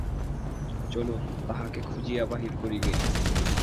চলুন, তাঁহাকে খুঁজিয়া বাহির করি গে।